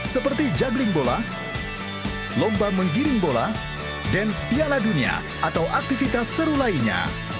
seperti juggling bola lomba menggiring bola dance piala dunia atau aktivitas seru lainnya